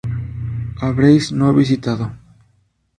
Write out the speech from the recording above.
Habréis no visitado